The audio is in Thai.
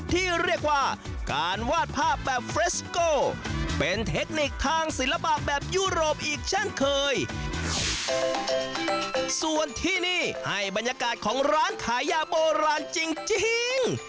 ที่เรียกว่าการวาดภาพแบบเฟรสโก้เป็นเทคนิคทางศิลปะแบบยุโรปอีกเช่นเคยส่วนที่นี่ให้บรรยากาศของร้านขายยาโบราณจริงจริง